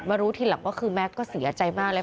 มารู้ที่หลังก็คือแม่ก็เสียใจมากเลย